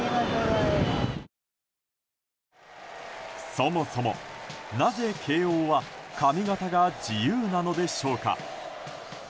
そもそも、なぜ慶應は髪形が自由なのでしょうか。